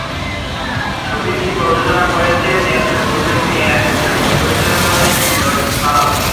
ছবিটি প্রযোজনা করেছে মেট্রো-গোল্ডউইন-মেয়ার এবং পরিচালনা করেছেন জর্জ পাল।